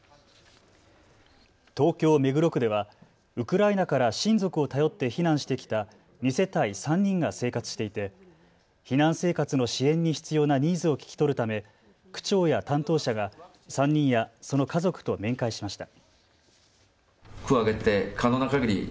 東京目黒区ではウクライナから親族を頼って避難してきた２世帯３人が生活していて避難生活の支援に必要なニーズを聞き取るため区長や担当者が３人や、その家族と面会しました。